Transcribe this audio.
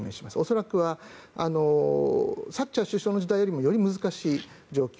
恐らくはサッチャー首相の時代よりもより難しい状況。